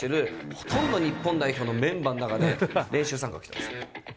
ほとんど日本代表のメンバーの中で練習参加に来たんですよ。